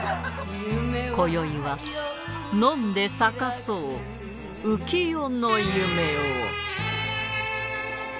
今宵は飲んで咲かそう浮世の夢を